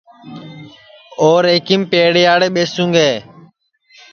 اور ایکیم پیڑیاڑے ٻیسوں گے